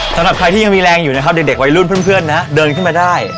สำหรับใครที่ยังมีแรงอยู่นะครับเด็กวัยรุ่นเพื่อนนะเดินขึ้นมาได้